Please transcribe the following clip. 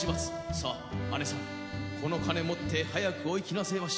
さァ、姐さん、この金持って、早くお行きなせえまし。